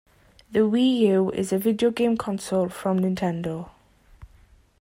The Wii U is a video game console from Nintendo.